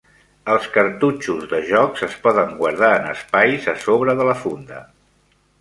Els cartutxos de jocs es poden guardar en espais a sobre de la funda.